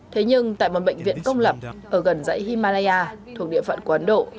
thế nhưng tại một bệnh viện công lập ở gần dãy himalaya thuộc địa phận của ấn độ